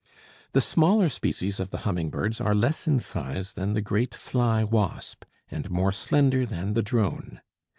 The smaller species of the humming birds are less in size than the great fly wasp, and more slender than the drone.